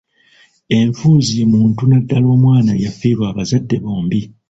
Enfuuzi ye muntu naddala omwana eyafiirwa abazadde bombi.